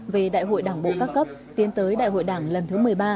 về đại hội đảng bộ các cấp tiến tới đại hội đảng lần thứ một mươi ba